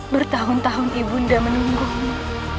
bertahun tahun ibu undah menunggumu